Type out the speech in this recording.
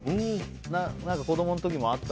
自分の子供の時もあった？